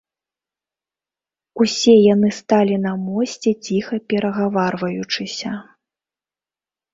Усе яны сталі на мосце, ціха перагаварваючыся.